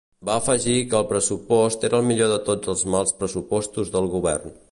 Va afegir que el pressupost era el millor de tots els mals pressupostos del govern.